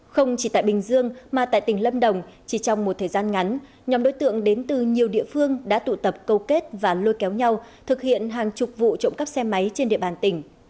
không chỉ tại bình dương mà tại tỉnh lâm đồng chỉ trong một thời gian ngắn nhóm đối tượng đến từ nhiều địa phương đã tụ tập câu kết và lôi kéo nhau thực hiện hàng chục vụ trộm cắp xe máy trên địa bàn tỉnh